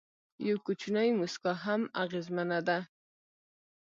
یو کوچنی موسکا هم اغېزمنه ده.